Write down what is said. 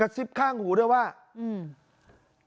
ซิบข้างหูด้วยว่าอืม